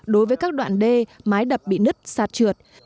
đối với các đoạn đê mái đập bị nứt sạt trượt